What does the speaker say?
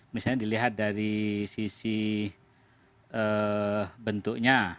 misalnya dilihat dari sisi bentuknya